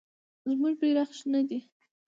زموږ بیرغ شنه دی.